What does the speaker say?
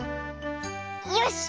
よし！